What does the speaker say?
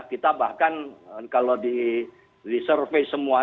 kita bahkan kalau di survei semua